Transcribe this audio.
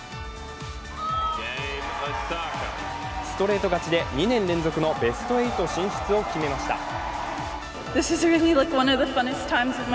ストレート勝ちで２年連続のベスト８進出を決めました。